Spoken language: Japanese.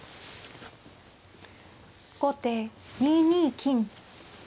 後手２二金。